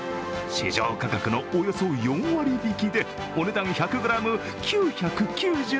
市場価格のおよそ４割引きでお値段１００ｇ、９９９円。